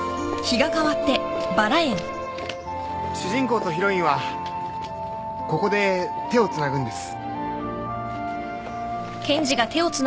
主人公とヒロインはここで手をつなぐんです。